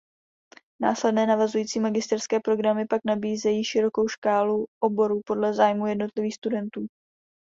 Následné navazující magisterské programy pak nabízejí širokou škálu oborů podle zájmu jednotlivých studentů.